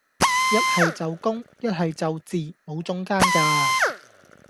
一係就公,一係就字,無中間架